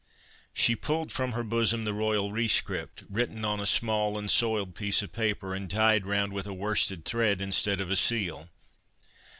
She pulled from her bosom the royal rescript, written on a small and soiled piece of paper, and tied round with a worsted thread instead of a seal.